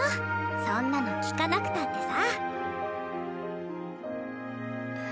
そんなの聞かなくたってさ。